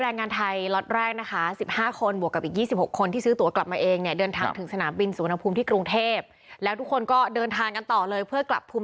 แรงงานไทยล็อตแรกนะคะ๑๕คนบวกกับอีก๒๖คนที่ซื้อตัวกลับมาเองเนี่ยเดินทางถึงสนามบินสุวรรณภูมิที่กรุงเทพแล้วทุกคนก็เดินทางกันต่อเลยเพื่อกลับภูมิ